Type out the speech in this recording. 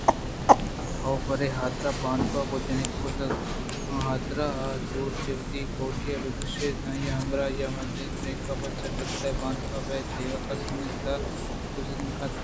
تو پرے حاترا بانک ءَ گوں ءَ جنگ کُتگ کہ آترا پہ زور چہ وتی کوٹی ءَ بہ کشّیت ءُآئی ءِ ہمراہی ءَ من ہم درکایاں پرچا کہ تئی دل ءَ بانک ءَ ابید دگہ کس منی دل ءَ چہ توسِست نہ کنت